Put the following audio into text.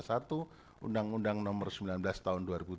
untuk mengundang nomor sembilan belas tahun dua ribu tiga